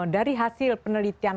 dari hasil penelitian